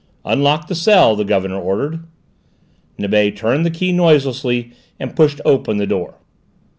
"Unlock the cell," the Governor ordered. Nibet turned the key noiselessly and pushed open the door.